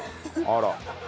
あら。